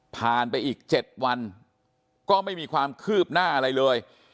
ไปอีก๗วันก็ไม่มีความคืบหน้าอะไรเลย